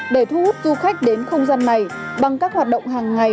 để thu hút du khách đến không gian này bằng các hoạt động hàng ngày